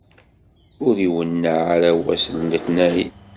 Ur iwenneɛ ara wass n letnayen.